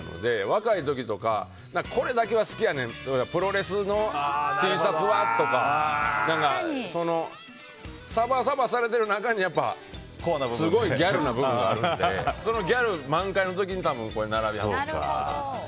若い時とかこれだけは好きやねんプロレスのＴシャツはとかサバサバされている中にすごいギャルな部分があるのでそのギャル満開の時にこれ、なられるのかなと。